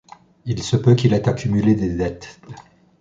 Il se peut qu'il ait accumulé des dettes.